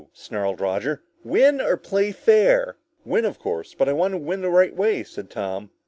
snarled Roger. "Win, or play fair?" "Win, of course, but I want to win the right way," said Tom.